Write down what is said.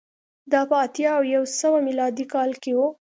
دا په اتیا او یو سوه میلادي کال کې و